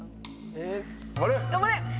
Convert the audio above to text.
・頑張れ！